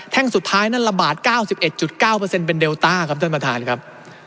สุดท้ายนั่นระบาด๙๑๙เป็นเดลต้าครับท่านประธานครับ